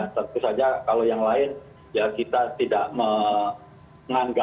tentu saja kalau yang lain ya kita tidak menganggap